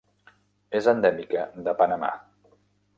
És endèmica de Panamà.